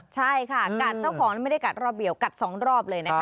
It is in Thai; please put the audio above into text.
ใช่ค่ะกัดเจ้าของไม่ได้กัดระเบี่ยวกัด๒รอบเลย